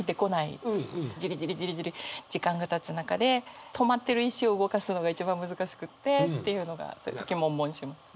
ジリジリジリジリ時間がたつ中で止まってる石を動かすのが一番難しくってっていうのがそういう時悶悶します。